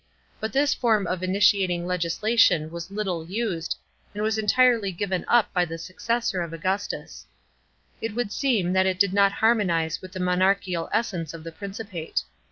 But this form of initiating legislation was liitle used, and was entirely given up by the suc cessor of Augustus. It would seem tl at it did not harmonize with the monarchical essence of the Principate.